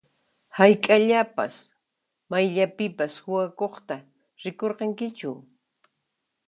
Hayk'aqllapas mayllapipas suwakuqta rikurqankichu?